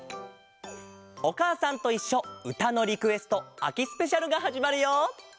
「おかあさんといっしょうたのリクエストあきスペシャル」がはじまるよ！